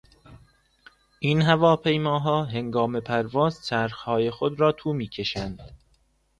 این هواپیماها هنگام پرواز چرخهای خود را تو میکشند.